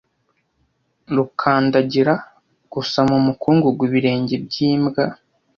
gukandagira gusa mu mukungugu ibirenge byimbwa